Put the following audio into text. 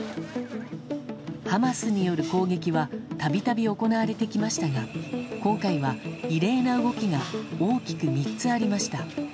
ハマスによる攻撃は度々行われてきましたが今回は、異例な動きが大きく３つありました。